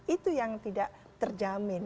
itu yang tidak terjamin